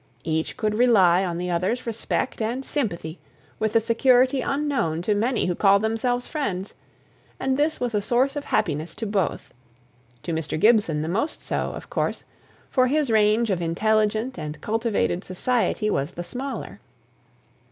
Each could rely on the other's respect and sympathy with a security unknown to many who call themselves friends; and this was a source of happiness to both; to Mr. Gibson the most so, of course; for his range of intelligent and cultivated society was the smaller.